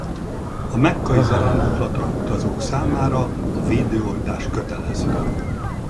A mekkai zarándoklatra utazók számára a védőoltás kötelező.